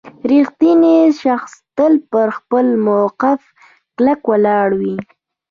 • رښتینی شخص تل پر خپل موقف کلک ولاړ وي.